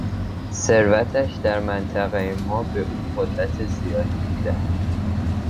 ثروتش در منطقهی ما به او قدرت زیادی میدهد.